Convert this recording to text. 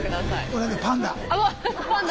俺ねパンダ。